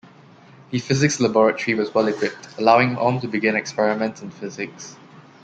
The physics laboratory was well equipped, allowing Ohm to begin experiments in physics.